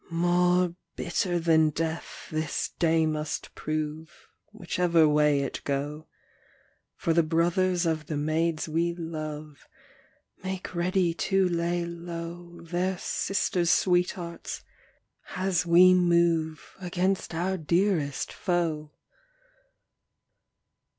More bitter than death this day must prove Whichever way it go, 156 Charles I For the brothers of the maids we love Make ready to lay low Their sisters' sweethearts, as we move Against our dearest foe.